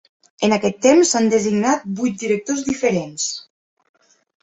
En aquest temps s'han designat vuit directors diferents.